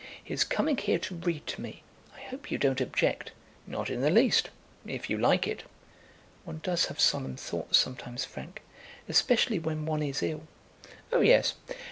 He is coming here to read to me. I hope you don't object." "Not in the least; if you like it." "One does have solemn thoughts sometimes, Frank, especially when one is ill." "Oh, yes.